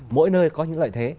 mỗi nơi có những lợi thế